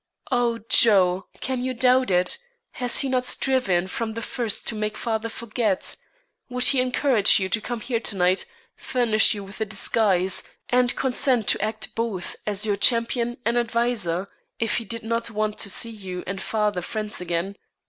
"Oh, Joe! can you doubt it? Has he not striven from the first to make father forget? Would he encourage you to come here to night, furnish you with a disguise, and consent to act both as your champion and adviser, if he did not want to see you and father friends again?